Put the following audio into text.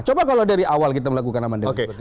coba kalau dari awal kita melakukan amandir seperti ini